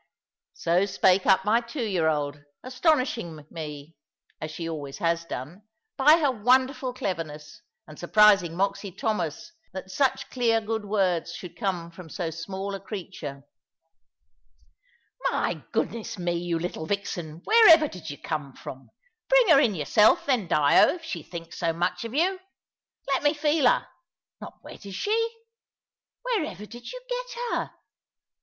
So spake up my two year old, astonishing me (as she always has done) by her wonderful cleverness, and surprising Moxy Thomas that such clear good words should come from so small a creature. "My goodness me! you little vixen! wherever did you come from? Bring her in yourself, then, Dyo, if she thinks so much of you. Let me feel her. Not wet she is. Where ever did you get her?